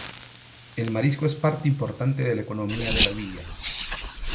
El marisco es parte importante de la economía de la villa.